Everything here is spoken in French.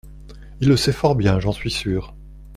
Il le sait fort bien, j’en suis sûr.